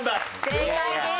正解です！